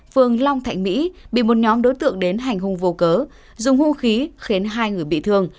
phường long thạnh mỹ bị một nhóm đối tượng đến hành hung vô cớ dùng hung khí khiến hai người bị thương